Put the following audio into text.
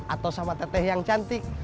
atau sama teteh yang cantik